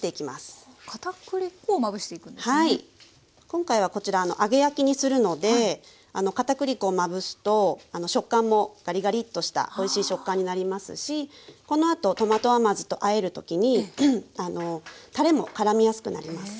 今回はこちら揚げ焼きにするのでかたくり粉をまぶすと食感もガリガリッとしたおいしい食感になりますしこのあとトマト甘酢とあえる時にたれもからみやすくなります。